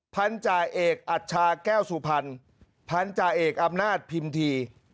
พันธาเอกอัชชาแก้วสุพรรณพันธาเอกอำนาจพิมพี